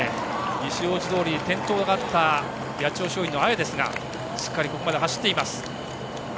西大路通で転倒があった八千代松陰の綾ですがしっかりここまで走っています。